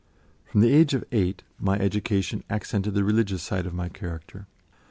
From the age of eight my education accented the religious side of my character.